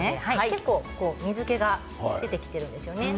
結構、水けが出てきているんですよね